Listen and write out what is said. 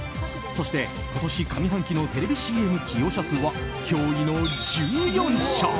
そして、今年上半期のテレビＣＭ起用社数は驚異の１４社！